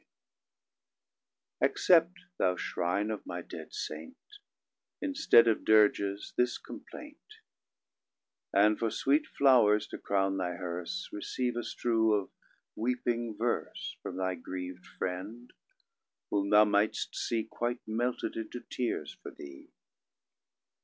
_ Accept, thou Shrine of my dead Saint, Instead of dirges this complaint; And for sweet flowers to crown thy hearse, Receive a strew of weeping verse From thy griev'd friend, whom thou might'st see Quite melted into tears for thee.